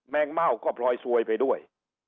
งเม่าก็พลอยซวยไปด้วย